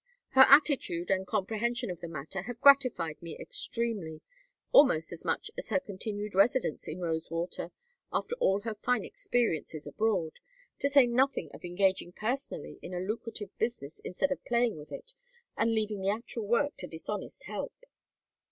Her attitude and comprehension of the matter have gratified me extremely, almost as much as her continued residence in Rosewater after all her fine experiences abroad; to say nothing of engaging personally in a lucrative business instead of playing with it and leaving the actual work to dishonest help.